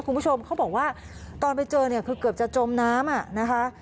คุณผู้ชมเขาบอกว่าตอนไปเจอคือเกือบจะจมน้ำ